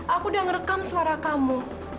aku udah ngerekam suara kamu